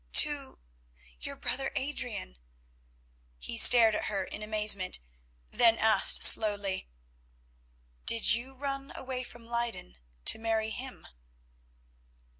"To—your brother, Adrian." He stared at her in amazement, then asked slowly: "Did you run away from Leyden to marry him?"